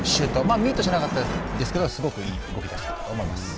ミートしなかったんですけどすごくいい動きだったと思います。